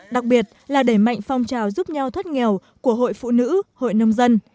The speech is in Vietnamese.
đặc biệt là đẩy mạnh phong trào giúp nhau thoát nghèo của hội phụ nữ hội nông dân